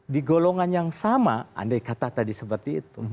di golongan yang sama andai kata tadi seperti itu